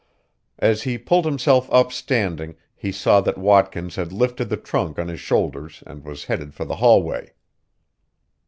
As he pulled himself up standing he saw that Watkins had lifted the trunk on his shoulders and was headed for the hallway.